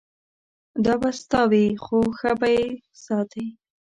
دا به ستا وي خو ښه به یې ساتې.